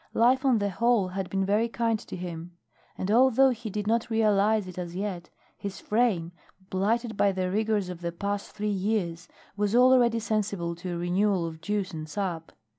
Life on the whole had been very kind to him. And, although he did not realize it as yet, his frame, blighted by the rigors of the past three years, was already sensible to a renewal of juice and sap.